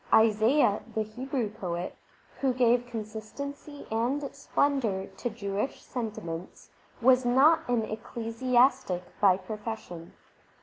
Isaiah, the Hebrew poet, who gave consistency and splendour to Jewish sentiments, was not an ecclesiastic by profession.